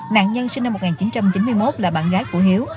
nạn nhân sinh năm một nghìn chín trăm chín mươi một là bạn gái của hiếu